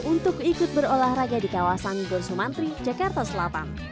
untuk ikut berolahraga di kawasan bursu mantri jakarta selatan